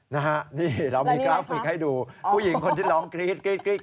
นะฮะนี่เรามีกราฟิกให้ดูผู้หญิงคนที่ร้องกรี๊ดกรี๊ด